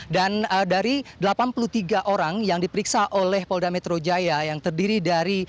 dan dari delapan puluh tiga orang yang diperiksa oleh polda metro jaya yang terdiri dari